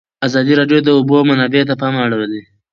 ازادي راډیو د د اوبو منابع ته پام اړولی.